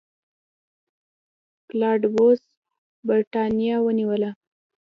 کلاډیوس برېټانیا ونیوله